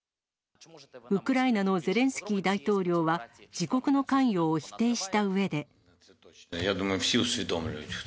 ウクライナのゼレンスキー大統領は、自国の関与を否定したうえで。